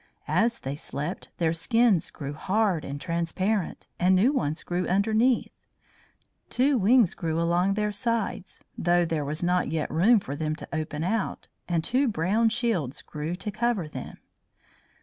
As they slept their skins grew hard and transparent, and new ones grew underneath. Two wings grew along their sides, though there was not yet room for them to open out, and two brown shields grew to cover them.